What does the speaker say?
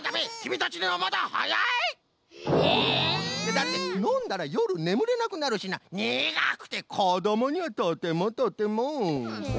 だってのんだらよるねむれなくなるしなにがくてこどもにはとてもとても。